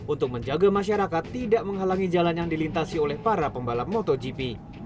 untuk menjaga masyarakat tidak menghalangi jalan yang dilintasi oleh para pembalap motogp